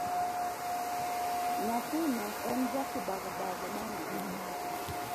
Nyathino en ja kibaga baga maonge.